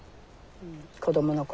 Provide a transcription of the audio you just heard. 子どもの頃。